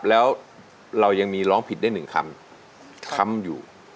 แล้วเรายังมีร้องผิดได้หนึ่งคำค้ำอยู่